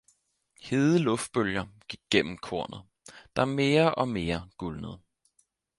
Hede luftbølger gik gennem kornet, der mere og mere gulnede